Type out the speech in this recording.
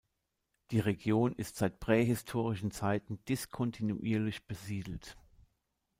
Die Region ist seit prähistorischen Zeiten diskontinuierlich besiedelt.